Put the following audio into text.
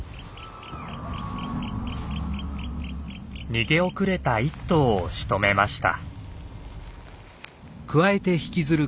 逃げ遅れた１頭をしとめました。